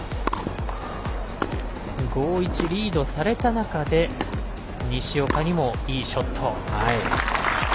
５−１、リードされた中で西岡にもいいショット。